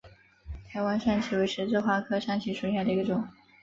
台湾山荠为十字花科山荠属下的一个种。